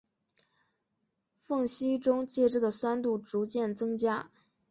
缝隙中介质的酸度逐渐增加。